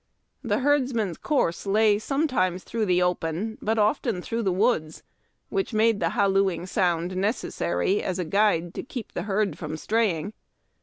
The herds man's course lay sometimes through the open, but often through the woods, which made the hallooing sound neces^' sary as a guide to keep the herd from straying.